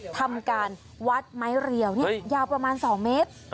ทำการวัดไม้เรียวยาวประมาณ๒เมตร